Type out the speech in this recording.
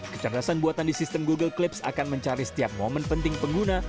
kecerdasan buatan di sistem google clips akan mencari setiap momen penting pengguna